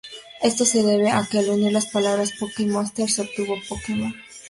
Esto se debe a que al unir las palabras "Pocket Monster" se obtuvo Poke-Mon.